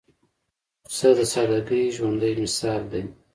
پسه د سادګۍ ژوندى مثال دی.